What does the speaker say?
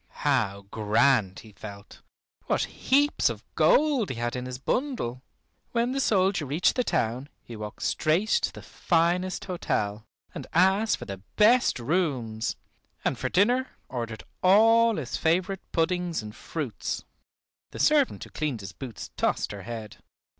How grand he felt! What heaps of gold he had in his bundle! When the soldier reached the town he walked straight to the finest hotel, and asked for the best rooms, and for dinner ordered all his favorite puddings and fruits. The servant who cleaned his boots tossed her head.